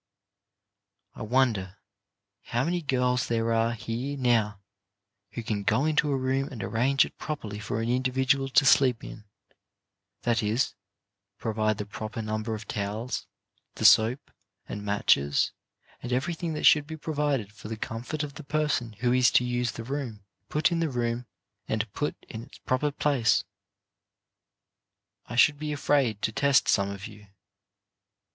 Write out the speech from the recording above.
I wonder how many girls there are here now 86 CHARACTER BUILDING who can go into a room and arrange it properly for an individual to sleep in — that is, provide the proper number of towels, the soap and matches, and have everything that should be provided for the comfort of the person who is to use the room, put in the room and put in its proper place. I should be afraid to test some of you.